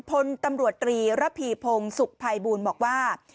พลตำรวจตรีระพีพงศุกร์ภัยบูลบอกว่า